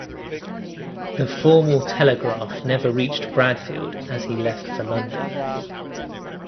The formal telegraph never reached Bradfield as he left for London.